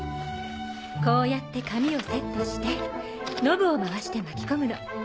こうやって紙をセットしてノブを回して巻き込むの。